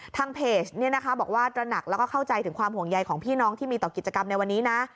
ทางเพจบอกว่าตระหนักแล้วก็เข้าใจถึงความห่วงใยของพี่น้องที่มีต่อกิจกรรมในวันนี้นะ